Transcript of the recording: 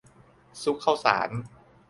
ซุกข้าวสาร